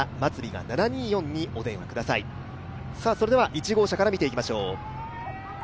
１号車から見ていきましょう。